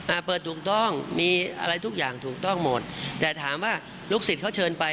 อ่าเปิดถูกต้องมีอะไรทุกอย่างถูกต้องหมดแต่ถามว่าลูกศิษย์เขาเชิญไป